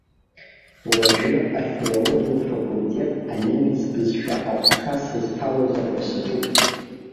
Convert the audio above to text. Уажәы афилологиатә факультет анемец бызшәа аҟәша сызҭалозар ҳәа саҿуп.